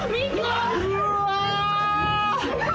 うわ！